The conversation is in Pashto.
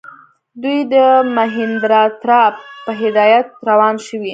دوی د مهیندراپراتاپ په هدایت روان شوي.